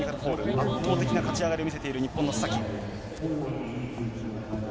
圧倒的な勝ち上がりを見せている日本の須崎。